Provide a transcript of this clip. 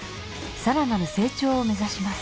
更なる成長を目指します。